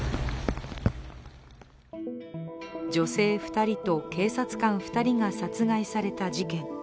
女性２人と警察官２人が殺害された事件。